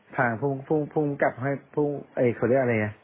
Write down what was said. ผ่านพรุงกรรมการ